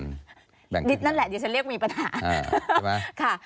นั่นแหละเดี๋ยวฉันเรียกมีปัญหา